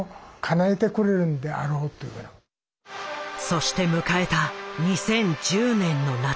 そして迎えた２０１０年の夏。